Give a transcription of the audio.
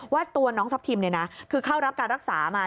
ว่าตัวน้องทัพทิมเนี่ยนะคือเข้ารับการรักษามา